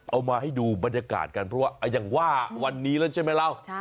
เอามาให้ดูบรรยากาศกันเพราะว่าอย่างว่าวันนี้แล้วใช่ไหมเรา